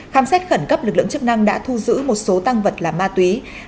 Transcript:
khám xét khẩn cấp lực lượng chức năng đã thu giữ một số tăng vật là ma túy